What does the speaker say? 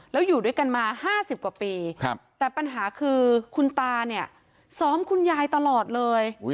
แล้วอยู่ด้วยกันมา๕๐กว่าปีแต่ปัญหาคือคุณตาเนี่ยซ้อมคุณยายตลอดเลย